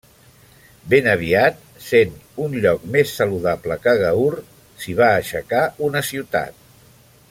Ben aviat, sent un lloc més saludable que Gaur, s'hi va aixecar una ciutat.